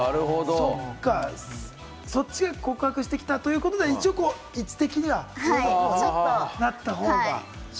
そっちが告白してきたということで、一応、位置的には上のほうになった方が。